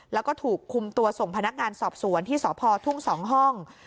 แล้วก็ถูกคุมตัวส่งพนักงานสอบสวนที่สพทุ่ง๒ห้อง